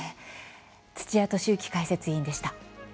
土屋敏之解説委員でした。